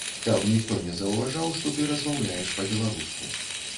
Каб ніхто не заўважаў, што ты размаўляеш па-беларуску!